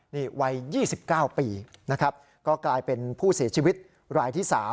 นี่วัย๒๙ปีนะครับก็กลายเป็นผู้เสียชีวิตรายที่๓